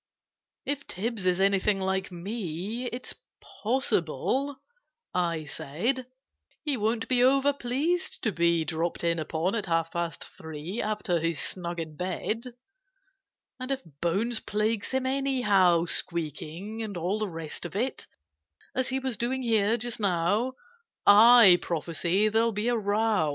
"If Tibbs is anything like me, It's possible," I said, "He won't be over pleased to be Dropped in upon at half past three, After he's snug in bed. "And if Bones plagues him anyhow— Squeaking and all the rest of it, As he was doing here just now— I prophesy there'll be a row, And Tibbs will have the best of it!"